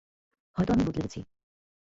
হয়তো আমি বদলে গেছি।